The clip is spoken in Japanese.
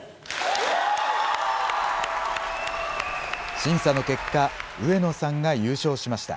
審査の結果、上野さんが優勝しました。